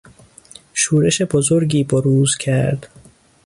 شورش بزرگی بروز کرد.